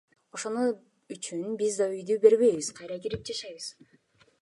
Ошону үчүн биз да үйдү бербейбиз, кайра кирип жашайбыз.